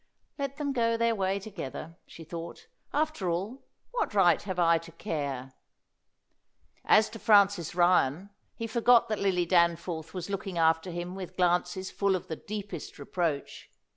"Let them go their way together," she thought. "After all, what right have I to care?" As to Francis Ryan, he forgot that Lily Danforth was looking after him with glances full of the deepest reproach.